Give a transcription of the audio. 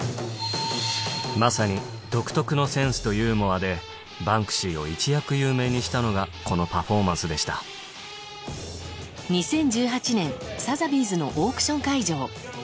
まさにでバンクシーを一躍有名にしたのがこのパフォーマンスでした２０１８年サザビーズのオークション会場